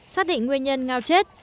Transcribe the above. xác định nguyên nhân ngao chết